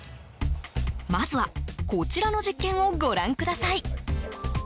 まずは、こちらの実験をご覧ください。